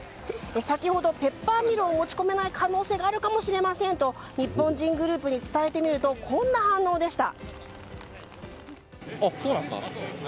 先ほどペッパーミルを持ち込めない可能性があるかもしれませんと日本人グループに伝えてみるとこんな反応でした。